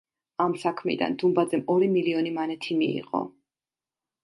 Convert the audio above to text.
ამ საქმიდან დუმბაძემ ორი მილიონი მანეთი მიიღო.